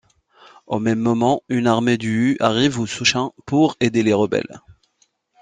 Au même moment, une armée du Wu arrive au Souchun pour aider les rebelles.